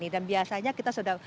dan biasanya kita sudah